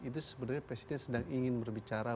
itu sebenarnya presiden sedang ingin berbicara